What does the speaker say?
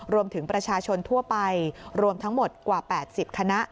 รวมถึงประชาชนทั่วไปรวมทั้งหมดกว่า๘๐คณะ